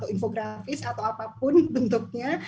infografis atau apapun bentuknya